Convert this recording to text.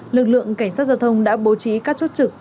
lực lượng cảnh sát giao thông đã bố trí các chốt trực